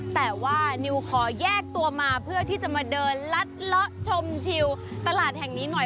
แต่ว่านิวขอแยกตัวมาเพื่อที่จะมาเดินลัดเลาะชมชิวตลาดแห่งนี้หน่อย